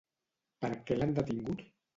Per què l'han detingut?